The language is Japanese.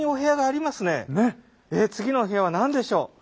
えっ次のお部屋は何でしょう？